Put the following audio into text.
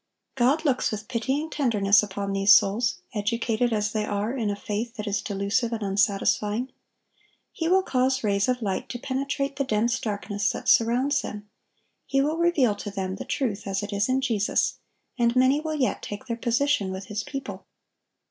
God looks with pitying tenderness upon these souls, educated as they are in a faith that is delusive and unsatisfying. He will cause rays of light to penetrate the dense darkness that surrounds them. He will reveal to them the truth as it is in Jesus, and many will yet take their position with His people.